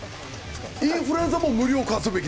インフルエンザも無料化すべきです！